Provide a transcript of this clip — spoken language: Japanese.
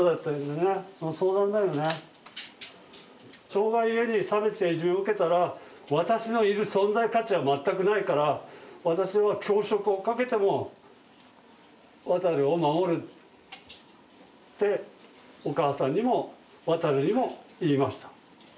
障がいゆえに差別やいじめを受けたら私のいる存在価値は全くないから私は教職をかけてもワタルを守るってお母さんにもワタルにも言いました。